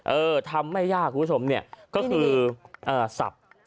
เออทำไม่ยากคุณผู้ชมเนี่ยก็คือสับ